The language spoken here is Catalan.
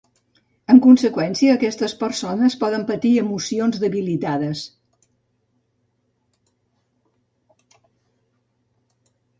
En conseqüència, aquestes persones poden patir emocions debilitades.